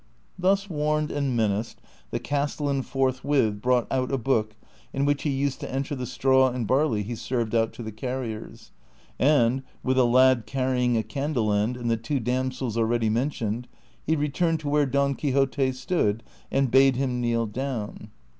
Thus warned and menaced, the castellan forthwith brought out a book in which he used to enter the straw and barley he served out to the carriers, and, with a lad carrying a candle end, and the two damsels already mentioned, he returned to where Don Quixote stood, and bade him kneel down.